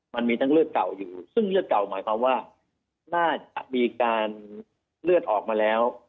มันมีทั้งเลือดเก่าอยู่ซึ่งเลือดเก่าหมายความว่าน่าจะมีการเลือดออกมาแล้ว